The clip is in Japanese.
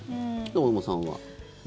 大友さんは？